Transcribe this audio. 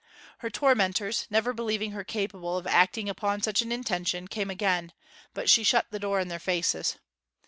Her tormentors, never believing her capable of acting upon such an intention, came again; but she shut the door in their faces.